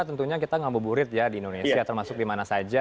tentunya kita ngambo burit ya di indonesia termasuk dimana saja